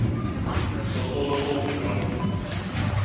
人數多多都唔夠